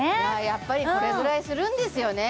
やっぱりこれぐらいするんですよね